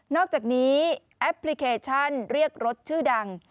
อกจากนี้แอปพลิเคชันเรียกรถชื่อดัง